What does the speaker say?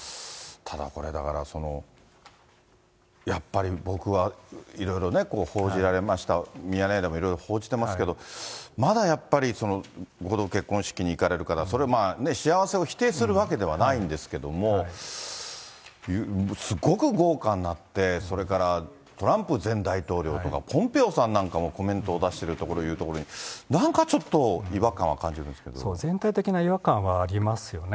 ただ、これ、やっぱり僕はいろいろね、報じられました、ミヤネ屋でもいろいろ報じてますけど、まだやっぱり合同結婚式に行かれる方、それはまあ幸せを否定するわけではないんですけども、すごく豪華になって、それからトランプ前大統領とか、ポンペオさんなんかもコメントを出しているというところに、なんかちょっと違和全体的な違和感はありますよね。